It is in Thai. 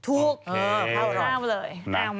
โอเคข้าวอร่อย